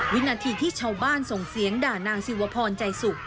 วินาทีที่ชาวบ้านส่งเสียงด่านางสิวพรใจสุข